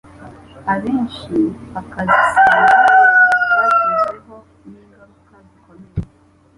abenshi bakazisanga bagizweho n'ingaruka zikomeye